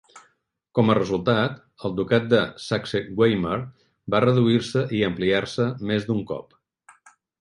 Com a resultat, el ducat de Saxe-Weimar va reduir-se i ampliar-se més d"un cop.